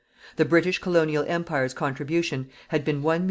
The British Colonial Empire's contribution had been 1,875,000.